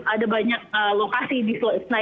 ada banyak lokasi yang akan dihantar ke gelora bung karno